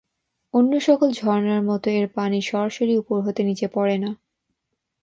অন্য সকল ঝর্ণার মত এর পানি সরাসরি উপর হতে নিচে পড়ে না।